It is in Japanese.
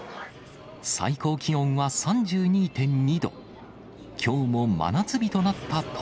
最高気温は３２．２度。